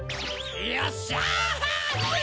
よっしゃ！